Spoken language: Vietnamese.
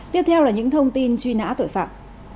tiếp theo là những thông tin truy nã tội phạm